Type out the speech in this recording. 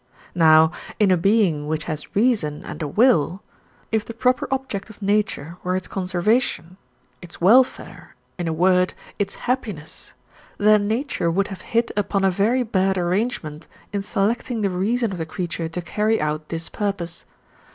Now in a being which has reason and a will, if the proper object of nature were its conservation, its welfare, in a word, its happiness, then nature would have hit upon a very bad arrangement in selecting the reason of the creature to carry out this purpose.